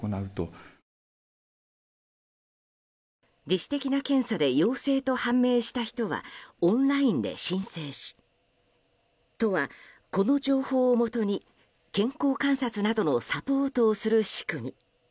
自主的な検査で陽性と判明した人はオンラインで申請し都は、この情報をもとに健康観察などのサポートをする仕組み。